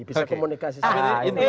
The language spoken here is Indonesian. bisa komunikasi sama jokowi